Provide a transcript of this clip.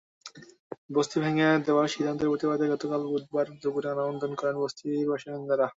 বস্তি ভেঙে দেওয়ার সিদ্ধান্তের প্রতিবাদে গতকাল বুধবার দুপুরে মানববন্ধন করেন বস্তির বাসিন্দারা।